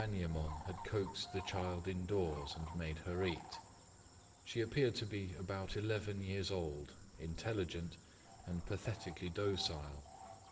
com p. 124 VI NINGYÔ NO HAKA MANYEMON had coaxed the child indoors, and made her eat. She appeared to be about eleven years old, intelligent, and pathetically docile.